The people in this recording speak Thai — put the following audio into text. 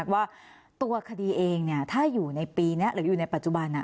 ว่าตัวคดีเองถ้าอยู่ในปีนี้หรืออยู่ในปัจจุบัน